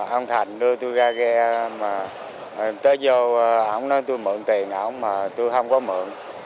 ông thành đưa tôi ra ghe tới vô ông nói tôi mượn tiền mà tôi không có mượn